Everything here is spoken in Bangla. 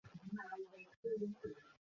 হ্যাঁ, অবশ্যই করি।